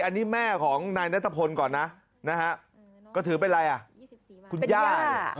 อันนี้แม่ของนายนัทพลก่อนนะนะฮะก็ถือเป็นอะไรอ่ะคุณย่า